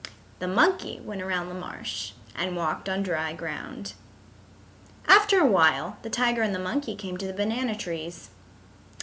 The monkey went around the marsh and walked on dry ground. After a while the tiger and the monkey came to the banana trees.